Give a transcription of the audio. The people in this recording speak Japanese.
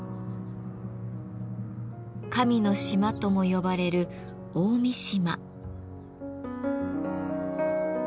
「神の島」とも呼ばれる大三島。